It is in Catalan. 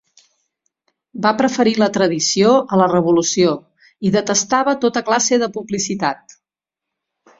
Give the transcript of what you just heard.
Va preferir la tradició a la revolució, i detestava tota classe de publicitat.